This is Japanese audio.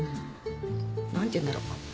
何ていうんだろう。